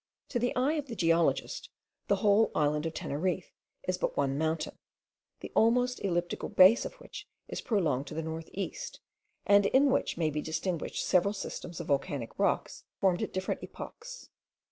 To the eye of the geologist the whole island of Teneriffe is but one mountain, the almost elliptical base of which is prolonged to the north east, and in which may be distinguished several systems of volcanic rocks formed at different epochs.